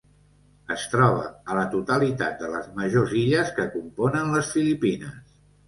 Es troba a la totalitat de les majors illes que componen les Filipines.